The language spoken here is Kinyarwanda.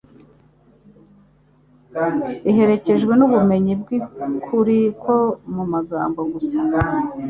iherekejwe n'ubumenyi bw'ukuri ko mu magambo gusa.